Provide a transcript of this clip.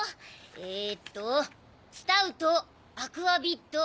えっと「スタウトアクアビット」。